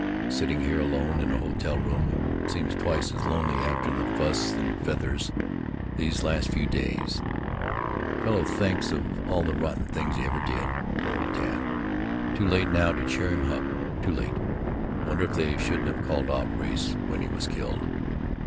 Sitting here alone in a hotel room, it seems twice as lonely after the fuss and feathers these last few days, a fellow thinks of all the rotten things he ever did. Poor old Tad. Too late now to cheer him up. Too late. Wonder if they shouldn't have called off race when he was killed.